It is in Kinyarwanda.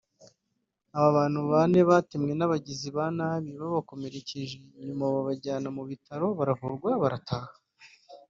Aba bantu bane batemwe n’aba bagizi ba nabi babakomerekeje nyuma babajyana mu bitaro baravurwa barataha